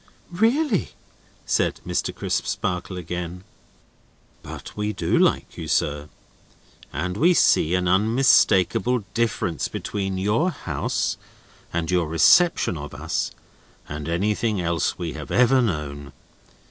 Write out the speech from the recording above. "Really?" said Mr. Crisparkle again. "But we do like you, sir, and we see an unmistakable difference between your house and your reception of us, and anything else we have ever known.